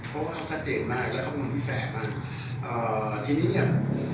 เพราะเขาซ่าเจไปมากและเขาก็ไม่แฟร์มาก